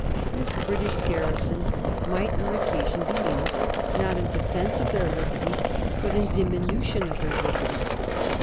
This British garrison might, on occasion, be used not in defence of their liberties, but in diminution of their liberties.